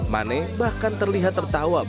mane bahkan terlihat tertawa bersama anaknya